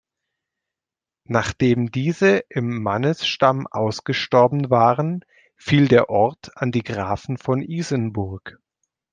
Nachdem diese im Mannesstamm ausgestorben waren, fiel der Ort an die Grafen von Isenburg.